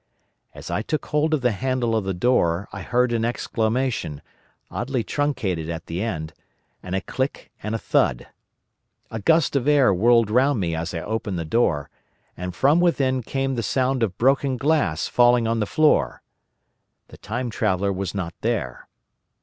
As I took hold of the handle of the door I heard an exclamation, oddly truncated at the end, and a click and a thud. A gust of air whirled round me as I opened the door, and from within came the sound of broken glass falling on the floor. The Time Traveller was not there.